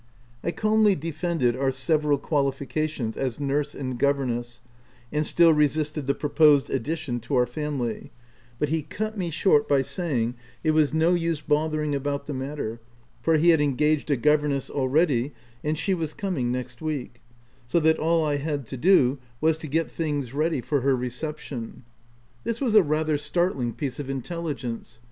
I calmly defended our several qualifications as nurse and governess, and still resisted the proposed addition to our family; but he cut me short by saying, it was no use bothering about the matter, for he had engaged a gover ness already, and she was coming next week ; so that all I had to do was to get things ready F 2 100 THE TEX ANT for her reception. This was a rather startling piece of intelligence.